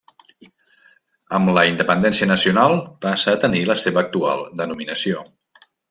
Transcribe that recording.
Amb la independència nacional passa a tenir la seva actual denominació.